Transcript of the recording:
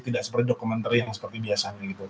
tidak seperti dokumentari yang seperti biasa gitu